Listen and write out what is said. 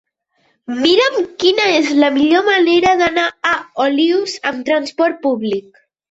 Mira'm quina és la millor manera d'anar a Olius amb trasport públic.